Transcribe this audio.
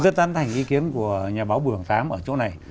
tôi rất an thành ý kiến của nhà báo bưu hằng sám ở chỗ này